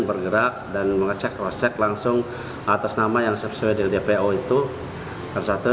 bergerak dan mengecek crosscheck langsung atas nama yang sesuai dengan dpo itu